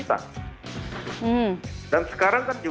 tapi sih enak banget ini loh